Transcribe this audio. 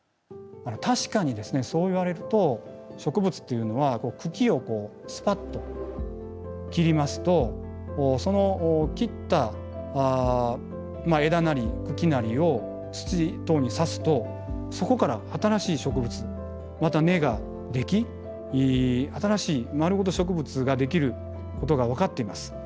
確かにですねそう言われると植物っていうのは茎をスパッと切りますとその切った枝なり茎なりを土等に挿すとそこから新しい植物また根ができ新しい丸ごと植物ができることが分かっています。